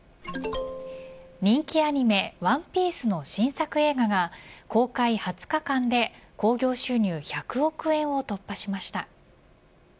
人気アニメＯＮＥＰＩＥＣＥの新作映画が公開２０日間で興行収入１００億円を突破しました。